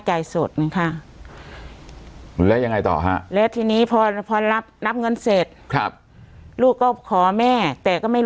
จ่ายสดนึงค่ะแล้วยังไงต่อฮะแล้วทีนี้พอพอรับรับ